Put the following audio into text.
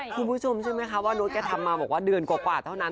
คุณผู้ชมเชื่อไหมคะว่าโน๊ตแกทำมาบอกว่าเดือนกว่าเท่านั้น